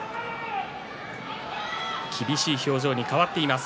厳しい表情に変わっています